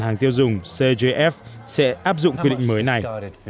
hàng tiêu dùng cgf sẽ áp dụng quy định mới này